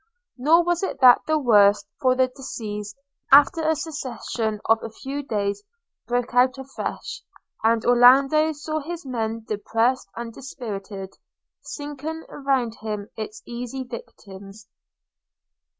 Nor was that the worst; for the disease, after a cessation of a few days, broke out afresh, and Orlando saw his men depressed and dispirited, sinking around him its easy victims.